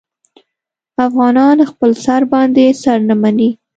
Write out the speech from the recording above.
افغانان خپل سر باندې سر نه مني.